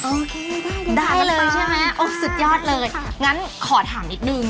โอเคได้เลยใช่ไหมโอ้ยสุดยอดเลยงั้นขอถามอีกหนึ่ง